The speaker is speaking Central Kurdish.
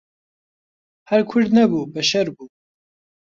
هەر کورد نەبوو بەشەر بوو